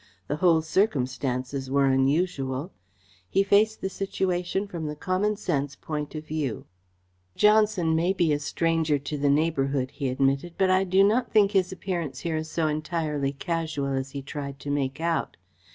The whole circumstances were unusual. He faced the situation from the common sense point of view. "Johnson may be a stranger to the neighbourhood," he admitted, "but I do not think that his appearance here is so entirely casual as he tried to make out.